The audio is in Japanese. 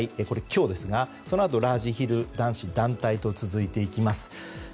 これは今日ですが、そのあとラージヒル、男子団体と続いていきます。